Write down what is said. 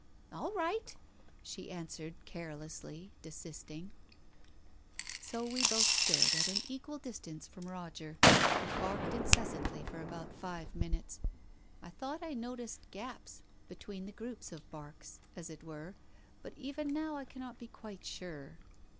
"All right! " she answered carelessly, desisting. So we both stood at an equal distance from Roger, who barked incessantly for about five minutes. I thought I noticed gaps between the groups of barks, as it were, but even now I cannot be quite sure.